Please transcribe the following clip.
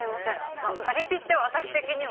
まあパリピって私的には。